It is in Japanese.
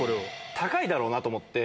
高いだろうなと思って。